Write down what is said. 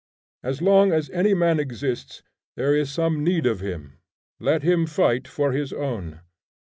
As long as any man exists, there is some need of him; let him fight for his own.